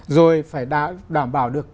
rồi phải đảm bảo được